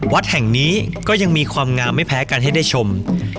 วัดแห่งนี้ก็ยังมีความงามไม่แพ้กันให้ได้ชม